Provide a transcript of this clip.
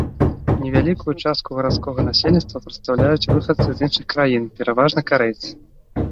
Невялікую частку гарадскога насельніцтва прадстаўляюць выхадцы з іншых краін, пераважна карэйцы.